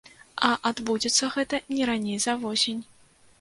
А адбудзецца гэта не раней за восень.